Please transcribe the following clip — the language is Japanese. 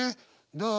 どう？